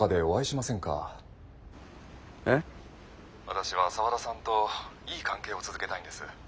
私は沢田さんといい関係を続けたいんです。